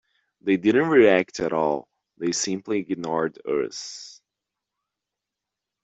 They didn't react at all; they simply ignored us.